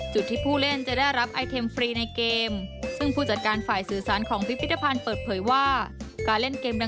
จุดที่ผู้เล่นจะได้รับไอเทมฟรีในเกม